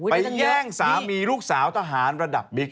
แย่งสามีลูกสาวทหารระดับบิ๊ก